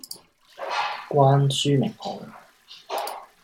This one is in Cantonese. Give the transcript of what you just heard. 關書名號